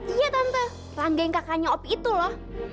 iya tante rangga yang kakaknya opi itu loh